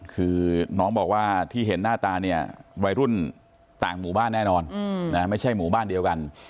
คือน้องบอกว่าที่เห็นหน้าตาเนี่ยวัยรุ่นต่างหมู่บ้านแน่นอนไม่ใช่หมู่บ้านเดียวกัน